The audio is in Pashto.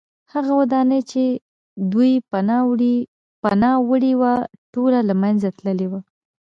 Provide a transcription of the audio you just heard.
هغه ودانۍ چې دوی پناه وړې وه ټوله له منځه تللې وه